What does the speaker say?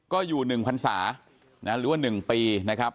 ก็อยู่หนึ่งพันศานะหรือว่าหนึ่งปีนะครับ